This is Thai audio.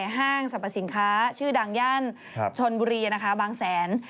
ห้างสรรพสินค้าชื่อดังย่านชนบุรีบางแสน